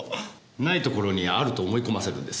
ないところにあると思い込ませるんです。